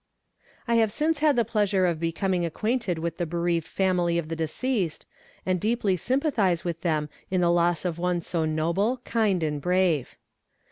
I have since had the pleasure of becoming acquainted with the bereaved family of the deceased, and deeply sympathize with them in the loss of one so noble, kind, and brave.